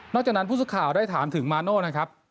จากนั้นผู้สื่อข่าวได้ถามถึงมาโน่นะครับ